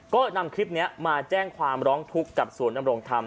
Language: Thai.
ก็นำคลิปนี้มาแจ้งความร้องทุกข์กับศูนย์นำรงธรรม